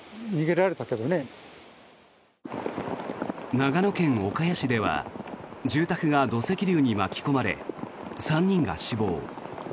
長野県岡谷市では住宅が土石流に巻き込まれ３人が死亡。